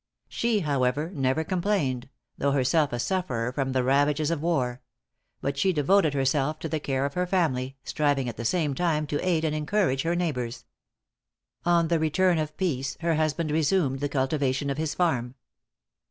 She, however, never complained, though herself a sufferer from the ravages of war; but devoted herself to the care of her family, striving at the same time to aid and encourage her neighbors. On the return of peace, her husband resumed the cultivation of his farm.